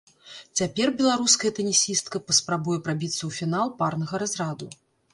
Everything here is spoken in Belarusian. Цяпер беларуская тэнісістка паспрабуе прабіцца ў фінал парнага разраду.